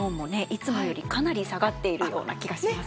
いつもよりかなり下がっているような気がします。